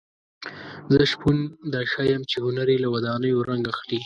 زه شپون درښیم چې هنر یې له ودانیو رنګ اخلي.